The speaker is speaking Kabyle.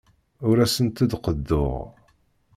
Ur asent-d-qeḍḍuɣ.